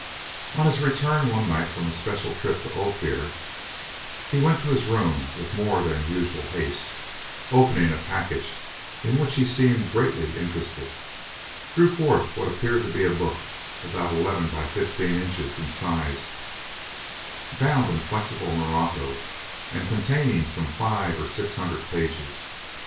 On his return one night from a special trip to Ophir he went to his room with more than usual haste, and opening a package in which he seemed greatly interested, drew forth what appeared to be a book, about eleven by fifteen inches in size, bound in flexible morocco and containing some five or six hundred pages.